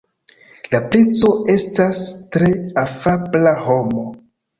La princo estas tre afabla homo.